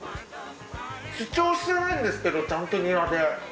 主張してないんですけどちゃんとニラで。